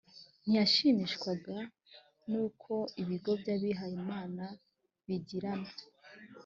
ntiyashimishwaga n uko ibigo by abihayimana bigirana